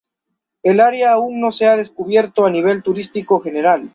El área aún no se ha descubierto a nivel turístico general.